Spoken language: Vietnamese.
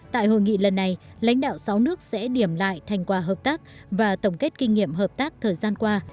tại hội nghị lần này lãnh đạo sáu nước sẽ điểm lại thành quả hợp tác và tổng kết kinh nghiệm hợp tác thời gian qua